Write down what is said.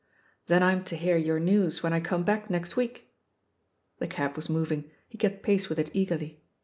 Then I'm to hear your news when I come back next week?" The cab was moving, he kept pace with it eagerly.